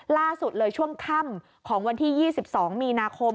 ล่าสุดเลยช่วงค่ำของวันที่๒๒มีนาคม